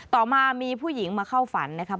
ต่อมามีผู้หญิงมาเข้าฝันนะครับ